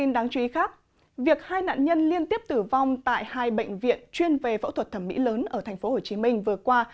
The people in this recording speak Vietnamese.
đáng chú ý khác việc hai nạn nhân liên tiếp tử vong tại hai bệnh viện chuyên về phẫu thuật thẩm mỹ lớn ở tp hcm vừa qua